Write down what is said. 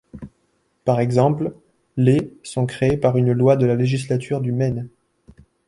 Par exemple, les ' sont créées par une loi de la Législature du Maine.